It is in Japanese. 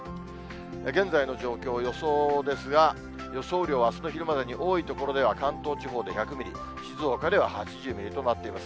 現在の状況、予想ですが、予想雨量はあすの昼までに多い所では関東地方で１００ミリ、静岡では８０ミリとなっています。